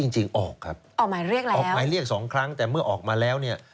จริงออกครับออกหมายเรียกแล้วออกหมายเรียกสองครั้งแต่เมื่อออกมาแล้วเนี่ย